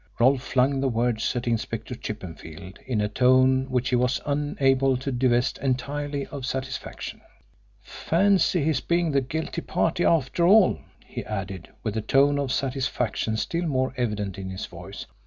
Rolfe flung the words at Inspector Chippenfield in a tone which he was unable to divest entirely of satisfaction. "Fancy his being the guilty party after all," he added, with the tone of satisfaction still more evident in his voice.